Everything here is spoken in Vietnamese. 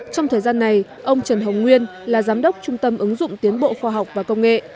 trong thời gian này ông trần hồng nguyên là giám đốc trung tâm ứng dụng tiến bộ khoa học và công nghệ